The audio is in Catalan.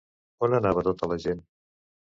On anava tota la gent?